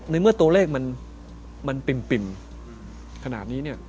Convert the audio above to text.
ในเมื่อตัวเลขมันปิ่มขนาดนี้เนี่ย